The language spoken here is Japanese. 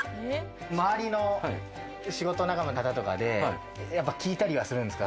周りの仕事仲間の方とかで聞いたりはするんですか？